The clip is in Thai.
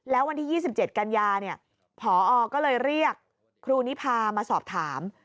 แล้ววันที่๒๗กันยาเนี่ยพอก็เลยเรียกครูนิพามาสอบถาม